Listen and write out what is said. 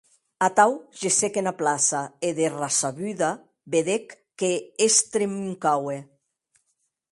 Atau gessec ena plaça e de ressabuda vedec qu'estramuncaue.